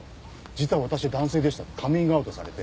実は私は男性でしたってカミングアウトされて。